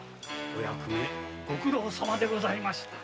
お役目ご苦労様でございました。